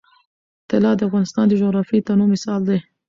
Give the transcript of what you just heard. طلا د افغانستان د جغرافیوي تنوع مثال دی.